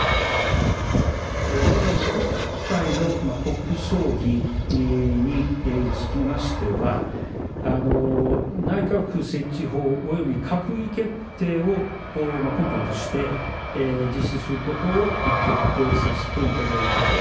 まず今回の国葬儀につきましては、内閣府設置法および閣議決定を根拠として、実施することを決定させていただいたと。